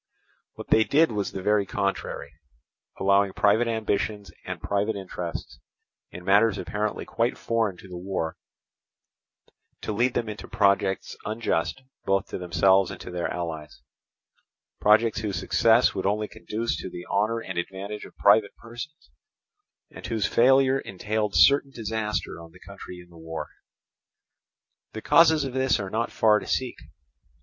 What they did was the very contrary, allowing private ambitions and private interests, in matters apparently quite foreign to the war, to lead them into projects unjust both to themselves and to their allies—projects whose success would only conduce to the honour and advantage of private persons, and whose failure entailed certain disaster on the country in the war. The causes of this are not far to seek.